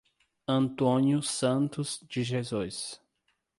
Antônio Santos de Jesus